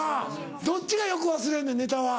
どっちがよく忘れんねんネタは。